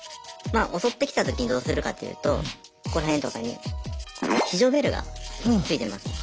襲ってきたときにどうするかっていうとここら辺とかに非常ベルが付いてます。